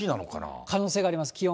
可能性があります。